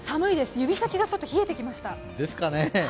指先がちょっと冷えてきました。